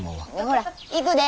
ほら行くで。